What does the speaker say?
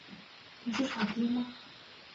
你是傻逼吗？